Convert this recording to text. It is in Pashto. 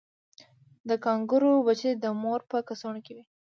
د کانګارو بچی د مور په کڅوړه کې وي